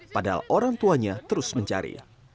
padahal orang tuanya terus mencari